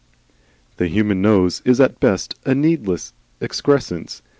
The human nose is, at its best, a needless excrescence.